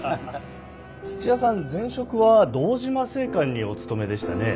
土屋さん前職は堂島製缶にお勤めでしたね。